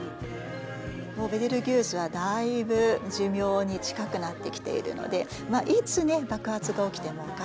もうベテルギウスはだいぶ寿命に近くなってきているのでいつね爆発が起きてもおかしくないといわれています。